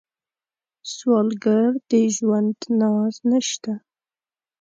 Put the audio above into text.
سوالګر د ژوند ناز نشته